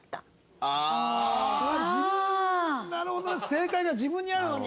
正解が自分にあるのに。